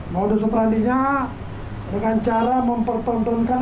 modus operandinya dengan cara mempertempelkan